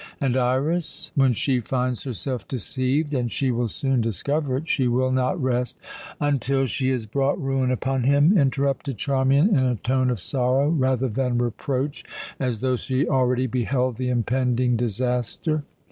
"And Iras? When she finds herself deceived and she will soon discover it she will not rest " "Until she has brought ruin upon him," interrupted Charmian, in a tone of sorrow rather than reproach as though she already beheld the impending disaster.